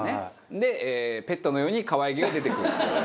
でペットのように可愛げが出てくる。